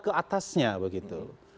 ke atasnya begitu